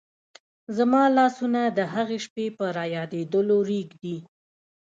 زما لاسونه د هغې شپې په رایادېدلو رېږدي.